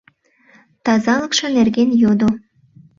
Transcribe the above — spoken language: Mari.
Тазалыкше нерген йодо.